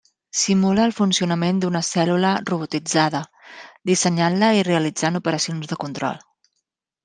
Simula el funcionament d'una cèl·lula robotitzada, dissenyant-la i realitzant operacions de control.